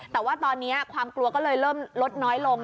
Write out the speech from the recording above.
แต่ว่าตอนนี้ความกลัวก็เลยเริ่มลดน้อยลง